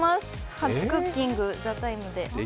初クッキング「ＴＨＥＴＩＭＥ，」で。